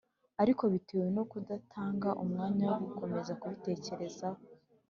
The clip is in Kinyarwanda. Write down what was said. ; ariko bitewe no kudatanga umwanya wo gukomeza kuritekerezaho,